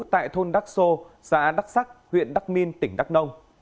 tại thôn đắc sô xã đắc sắc huyện đắc minh tỉnh đắc đông